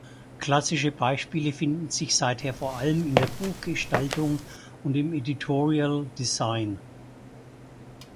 Klassische Beispiele finden sich seither vor allem in der Buchgestaltung und im Editorial Design.